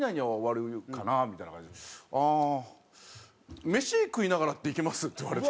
「ああ飯食いながらっていけます？」って言われて。